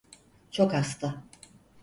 Çok hasta.